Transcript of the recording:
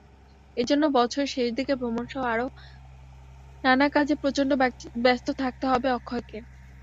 এজন্য বছরের শেষদিকে ভ্রমণসহ আরও নানা কাজে প্রচণ্ড ব্যস্ত থাকতে হবে অক্ষয়কে।